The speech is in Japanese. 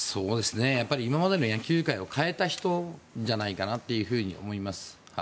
今までの野球界を変えた人じゃないかと思います。